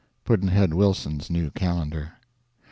Pudd'nhead Wilson's New Calendar.